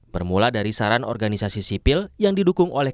bermula dari saran organisasi sipil yang didukung oleh